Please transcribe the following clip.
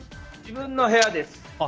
自分の部屋です。